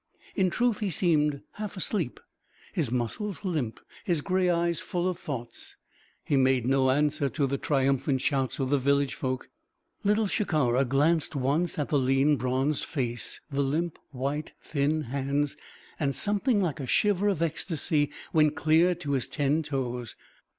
In truth, he seemed half asleep, his muscles limp, his gray eyes full of thoughts. He made no answer to the triumphant shouts of the village folk. Little Shikara glanced once at the lean, bronzed face, the limp, white, thin hands, and something like a shiver of ecstasy went clear to his ten toes.